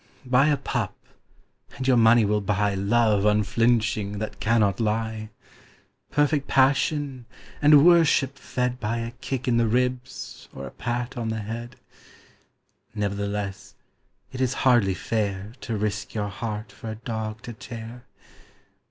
Buy a pup and your money will buy Love unflinching that cannot lie Perfect passion and worship fed By a kick in the ribs or a pat on the head. Nevertheless it is hardly fair To risk your heart for a dog to tear.